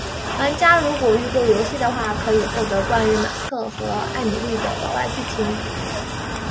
玩家如果预购游戏的话可获得关于马特和艾蜜莉的额外剧情。